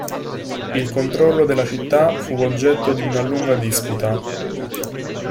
Il controllo della città fu oggetto di una lunga disputa.